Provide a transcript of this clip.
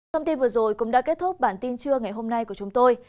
thông tin vừa rồi cũng đã kết thúc bản tin trưa ngày hôm nay của chúng tôi